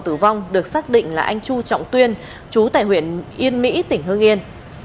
sông hồng tử vong được xác định là anh chu trọng tuyên trú tại huyện yên mỹ tỉnh hương yên